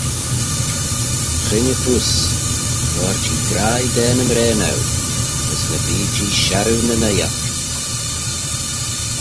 Gheiney-poost, cur-jee graih da ny mraane eu, as ny bee-jee sharroo nyn'oi oc.